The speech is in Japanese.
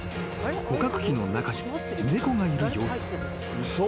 ［捕獲器の中に猫がいる様子］